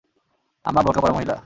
আম্মা বোরকা পরা মহিলা?